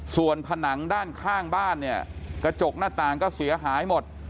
ส่วนผนังด้านข้างบ้านเนี่ยกระจกหน้าต่างก็เสียหายหมด